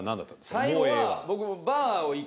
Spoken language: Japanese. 最後は僕。